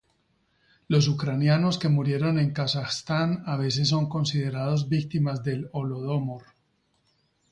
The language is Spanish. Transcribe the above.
Los ucranianos que murieron en Kazajstán a veces son considerados víctimas del Holodomor.